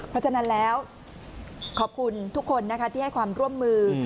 เพราะฉะนั้นแล้วขอบคุณทุกคนนะคะที่ให้ความร่วมมือ